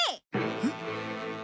えっ？